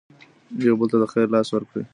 یو بل ته د خیر لاس ورکړئ.